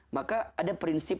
maka ada prinsip